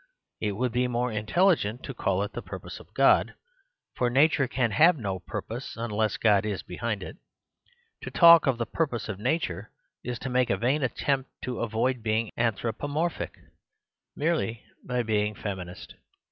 It would be more intelligent to call it the purpose of God ; for Nature can have no purpose unless God is behind it. To talk of the purpose of Nature is to make a vain attempt to avoid being anthropomorphic, merely by being feminist.